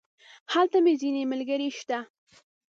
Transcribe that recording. هلته مې ځينې ملګري شته.